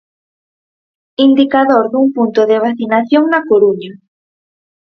Indicador dun punto de vacinación na Coruña.